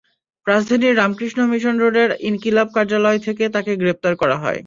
রাজধানীর রামকৃষ্ণ মিশন রোডের ইনকিলাব কার্যালয় থেকে তাঁকে গ্রেপ্তার করা হয়।